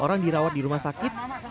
lima belas orang dirawat di rumah sakit